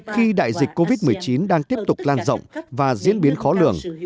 khi đại dịch covid một mươi chín đang tiếp tục lan rộng và diễn biến khó lường